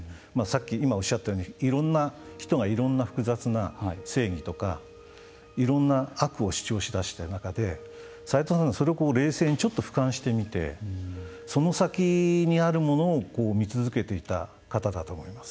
今おっしゃったようにいろんな人が、いろんな複雑な正義とかいろんな悪を主張し出した中でさいとうさんは、それを冷静にちょっとふかんして見てその先にあるものを見続けていた方だと思います。